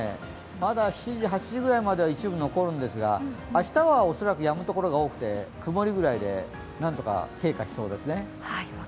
まだ７時、８時ぐらいまでは一部残るんですが明日は恐らくやむ所が多くて、曇りくらいで何とか経過しそうですね。